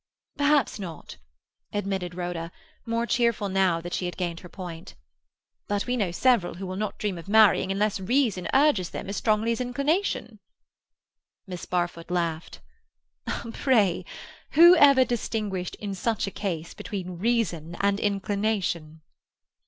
"Perhaps not," admitted Rhoda, more cheerful now that she had gained her point. "But we know several who will not dream of marrying unless reason urges them as strongly as inclination." Miss Barfoot laughed. "Pray, who ever distinguished in such a case between reason and inclination?"